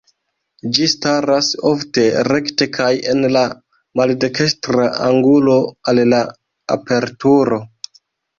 Ĝi staras ofte rekte kaj en la maldekstra angulo al la aperturo.